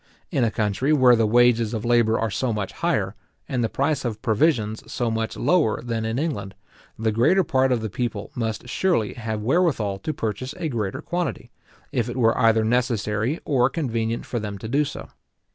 In a country where the wages of labour are so much higher, and the price of provisions so much lower than in England, the greater part of the people must surely have wherewithal to purchase a greater quantity, if it were either necessary or convenient for them to do so.